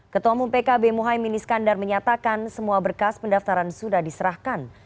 ketua umum pkb muhaymin iskandar menyatakan semua berkas pendaftaran sudah diserahkan